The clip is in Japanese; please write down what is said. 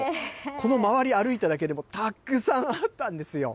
この周り歩いただけでもたくさんあったんですよ。